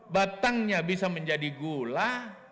batangnya bisa menjadi gula